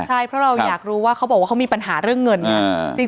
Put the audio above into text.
ใช่เพราะเราอยากรู้ว่าเขาบอกว่าเขามีปัญหาเรื่องเงินไง